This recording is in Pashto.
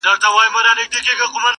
ستا دي قسم په ذوالجلال وي-